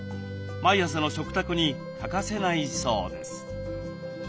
毎朝の食卓に欠かせないそうです。